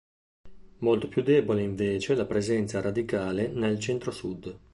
Molto più debole invece la presenza radicale nel Centro Sud.